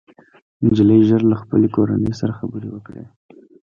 نجلۍ ژر له خپلې کورنۍ سره خبرې وکړې